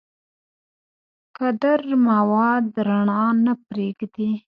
کدر مواد رڼا نه پرېږدي.